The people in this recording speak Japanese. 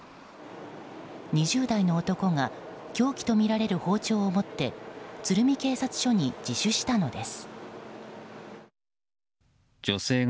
２０代の男が凶器とみられる包丁を持って鶴見警察署に自首したのです。